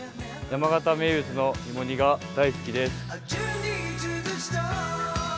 山形名物の芋煮が大好きです。